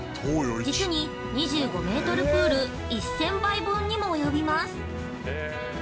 実に２５メートルプール１０００杯分にも及びます。